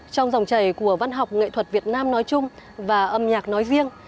trong dòng chảy của văn học nghệ thuật việt nam nói chung và âm nhạc nói riêng